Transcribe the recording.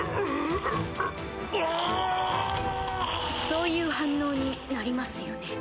そういう反応になりますよね。